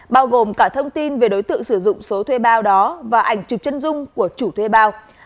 bao gồm cả thông tin về đối tượng sử dụng số thuê bao đó và ảnh chụp chân dung của chủ thuê bao